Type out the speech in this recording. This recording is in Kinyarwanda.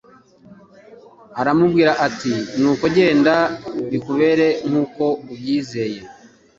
aramubwira ati : «Nuko genda bikubere nk'uko ubyizeye.